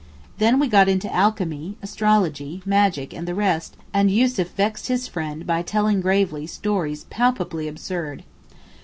Then we got into alchemy, astrology, magic and the rest; and Yussuf vexed his friend by telling gravely stories palpably absurd.